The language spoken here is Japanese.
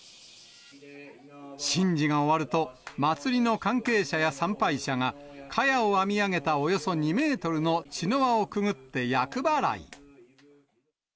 神事が終わると、祭りの関係者や参拝者が、かやを編み上げたおよそ２メートルの茅の輪をくぐって厄払い。